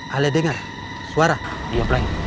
alia dengar suara dia plank